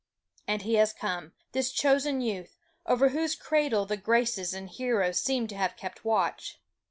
And he has come, this chosen youth, over whose cradle the Graces and Heroes seem to have kept watch.